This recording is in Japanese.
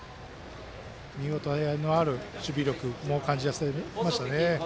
見応えのある守備力も感じられましたね。